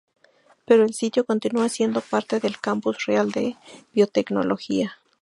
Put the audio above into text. Pero el sitio continúa siendo parte del Campus Real de Biotecnología.